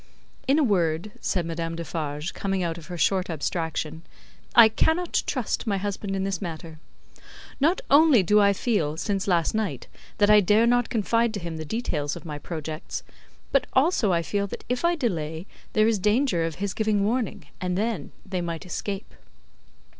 "In a word," said Madame Defarge, coming out of her short abstraction, "I cannot trust my husband in this matter. Not only do I feel, since last night, that I dare not confide to him the details of my projects; but also I feel that if I delay, there is danger of his giving warning, and then they might escape."